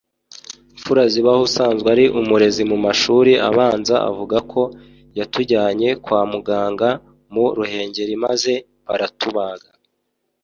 Mfurazibaho usanzwe ari umurezi mu mashuri abanza avuga ko yatujyanye kwa muganga mu Ruhengeri maze baratubaga